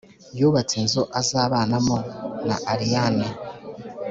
yubatse inzu azabanamo na allayne.